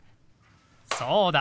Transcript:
そうだ！